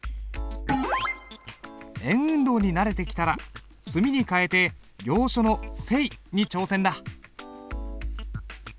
円運動に慣れてきたら墨に替えて行書の「生」に挑戦だ。